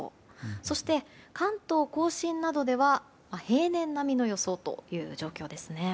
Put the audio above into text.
そして関東・甲信などでは平年並みの予想という状況ですね。